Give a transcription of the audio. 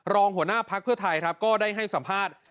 หัวหน้าภักดิ์เพื่อไทยครับก็ได้ให้สัมภาษณ์